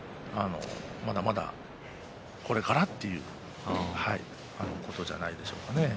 まだまだこれからということじゃないでしょうか。